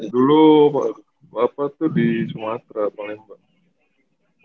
dulu papa tuh di sumatera paling enggak